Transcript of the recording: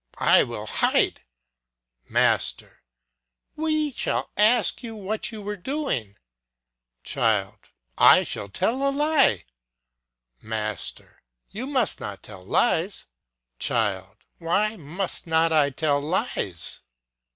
I will hide. Master. We shall ask you what you were doing. Child. I shall tell a lie. Master. You must not tell lies. Child. Why must not I tell lies?